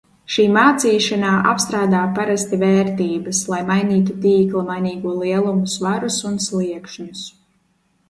Šī mācīšanā apstrādā parasti vērtības, lai mainītu tīkla mainīgo lielumu svarus un sliekšņus.